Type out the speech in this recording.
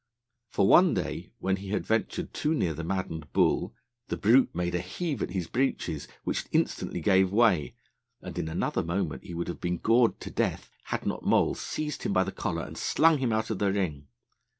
For, one day, when he had ventured too near the maddened bull, the brute made a heave at his breeches, which instantly gave way; and in another moment he would have been gored to death, had not Moll seized him by the collar and slung him out of the ring.